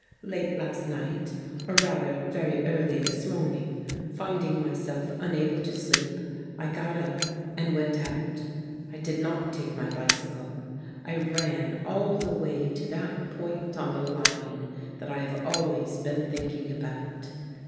Late last night, or rather very early this morning, finding myself unable to sleep, I got up and went out. I did not take my bicycle. I ran all the way to that point on the line that I have always been thinking about.